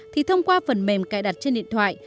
thì thông qua phần mềm cài đặt trên điện thoại